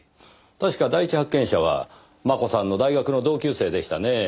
確か第一発見者は真子さんの大学の同級生でしたねぇ。